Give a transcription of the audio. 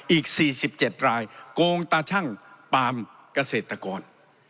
อีกสี่สิบเจ็ดรายโกงตาชั่งปามเกษตรกร